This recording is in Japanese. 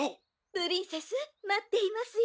「プリンセス待っていますよ」